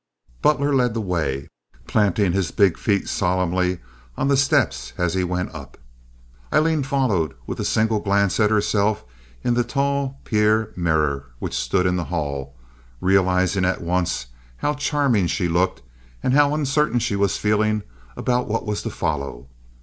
Butler led the way, planting his big feet solemnly on the steps as he went up. Aileen followed with a single glance at herself in the tall pier mirror which stood in the hall, realizing at once how charming she looked and how uncertain she was feeling about what was to follow.